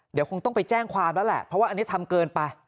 เดี๋ยวคงต้องไปแจ้งความแล้วแหละเพราะว่าอันนี้ทำเกินไป